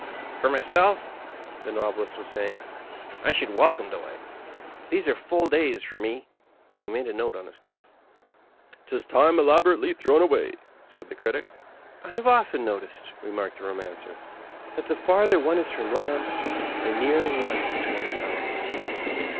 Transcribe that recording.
"For myself," the Novelist was saying, "I should wel come delay ; these are full days for me," and he made a note on his cufE. " 'Tis time elaborately thrown away," said the Critic. " I have often noticed," remarked the Komancer, "that the farther one is from land, the nearer one is to one's fellows.